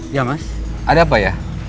ya mas ada apa ya